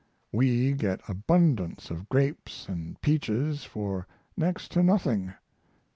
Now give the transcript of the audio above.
We get abundance of grapes and peaches for next to nothing.